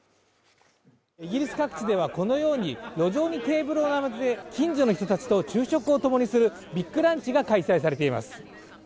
イギリス各地ではこのように路上にテーブルを並べて近所の人たちと昼食をともにするビッグランチが開催されています。